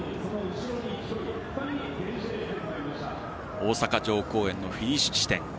大阪城公園のフィニッシュ地点